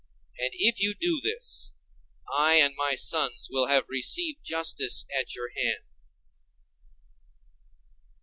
And if you do this, I and my sons will have received justice at your hands.